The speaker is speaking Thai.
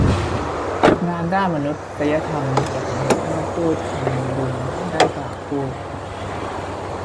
งานด้านมนุษยธรรมจะสำเร็จเมื่อผู้ทำบุญได้กล่าวพูด